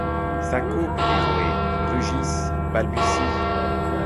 S’accouplent, Évohé ! rugissent, balbutient